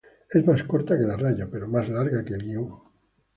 Es más corta que la raya, pero más larga que el guion.